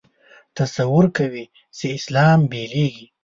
تصور کوي چې اسلام بېلېږي.